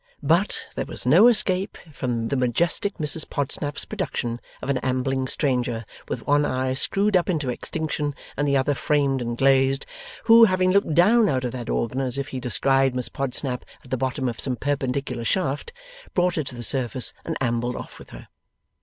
But, there was no escape from the majestic Mrs Podsnap's production of an ambling stranger, with one eye screwed up into extinction and the other framed and glazed, who, having looked down out of that organ, as if he descried Miss Podsnap at the bottom of some perpendicular shaft, brought her to the surface, and ambled off with her.